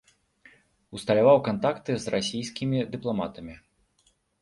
Усталяваў кантакты з расійскімі дыпламатамі.